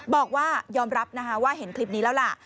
บอกว่ายอมรับนะคะว่าเห็นคลิปนี้แล้วล่ะ